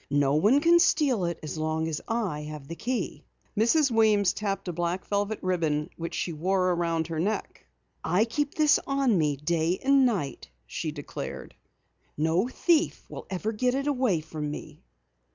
No one can steal it as long as I have the key." Mrs. Weems tapped a black velvet ribbon which she wore about her neck. "I keep this on me day and night," she declared. "No thief ever will get it way from me."